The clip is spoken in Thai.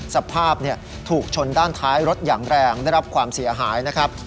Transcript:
สภาพถูกชนด้านท้ายรถอย่างแรงได้รับความเสียหายนะครับ